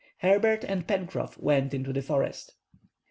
Herbert and Pencroff went into the forest.